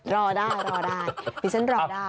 รอได้พี่ฉันรอได้